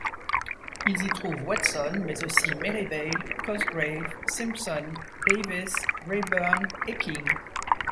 Ils y trouvent Watson, mais aussi Merrivale, Cosgrave, Simpson, Davies, Rayburn et King.